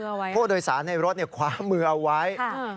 เพราะว่าผู้โดยสารในรถคว้ามือเอาไว้